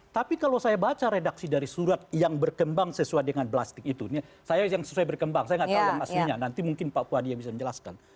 tapi kalau saya baca redaksi dari surat yang berkembang sesuai dengan blastik itu saya yang sesuai berkembang saya nggak tahu yang maksudnya nanti mungkin pak puadi yang bisa menjelaskan